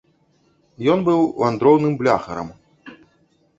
Ён быў вандроўным бляхарам.